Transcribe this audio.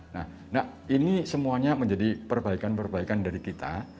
nah ini semuanya menjadi perbaikan perbaikan dari kita